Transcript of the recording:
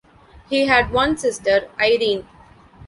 He had one sister, Irene.